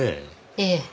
ええ。